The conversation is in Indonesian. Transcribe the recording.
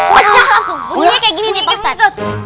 pecah langsung bunyinya kayak gini nih pak ustaz